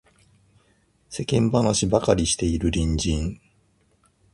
世間話ばかりしている隣人